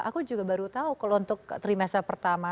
aku juga baru tahu kalau untuk trimester pertama